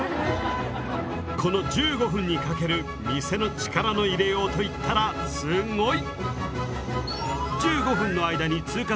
この１５分にかける店の力の入れようといったらすごい！